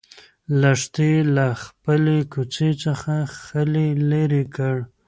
لښتې له خپلې کوڅۍ څخه خلی لرې کړ.